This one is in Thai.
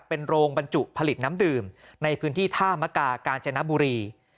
เป็นโรงบรรจุผลิตน้ำดื่มในพื้นที่ท่ามกากาญจนบุรี